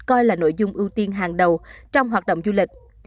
coi là nội dung ưu tiên hàng đầu trong hoạt động du lịch